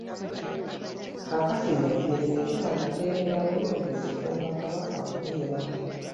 Kaakati no ekintu ne kiba nga kyeyongera bweyongezi, eky’obwakabaka okumbeeramu.